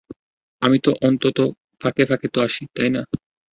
আমি তো অন্তত ফাঁকে ফাঁকে তো আসি, তাই না?